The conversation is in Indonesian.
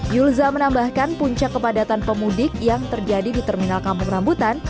yulza menambahkan puncak kepadatan pemudik yang terjadi di terminal kampung rambutan